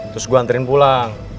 terus gua anterin pulang